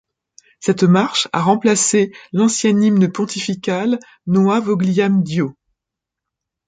Cette marche a remplacé l'ancien hymne pontifical Noi Vogliam Dio.